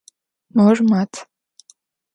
Mor mat.